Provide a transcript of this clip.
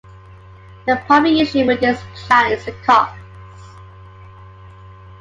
The primary issue with this plan is the cost.